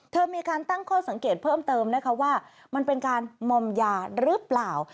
มีการตั้งข้อสังเกตเพิ่มเติมนะคะว่ามันเป็นการมอมยาหรือเปล่า